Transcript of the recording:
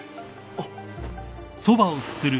あっ。